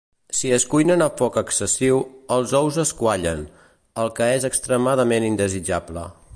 Si es cuinen a foc excessiu, els ous es quallen, el que és extremadament indesitjable.